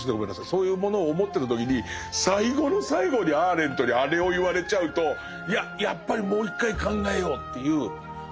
そういうものを思ってた時に最後の最後にアーレントにあれを言われちゃうといややっぱりもう一回考えようっていう。